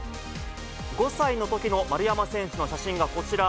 ５歳のときの丸山選手の写真がこちら。